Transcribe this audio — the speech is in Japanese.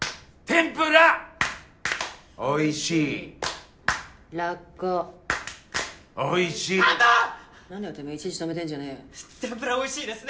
天ぷらおいしいです。